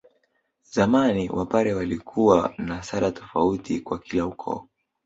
Zamani Wapare walikuwa na sala tofauti kwa kila ukoo